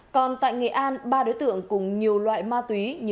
còn tại nghệ an ba đối tượng cùng nhiều loại ma túy như hồng phạm